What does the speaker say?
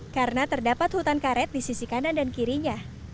karena terdapat hutan karet di sisi kanan dan kirinya